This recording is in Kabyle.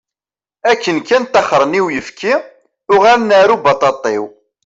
Akken kan taxṛen i uyefki, uɣalen ar ubaṭaṭiw.